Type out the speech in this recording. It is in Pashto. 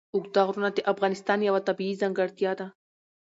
اوږده غرونه د افغانستان یوه طبیعي ځانګړتیا ده.